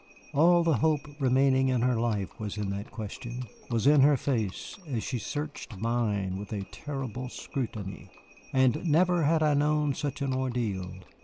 All the hope remaining in her life was in that question, was in her face as she searched mine with a terrible scrutiny. And never had I known such an ordeal.